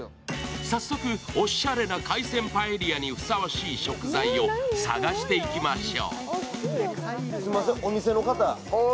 早速、おしゃれな海鮮パエリアにふさわしい食材を探していきましょう。